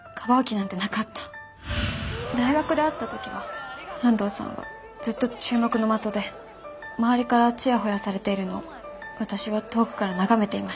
大学で会った時は安藤さんはずっと注目の的で周りからチヤホヤされているのを私は遠くから眺めていました。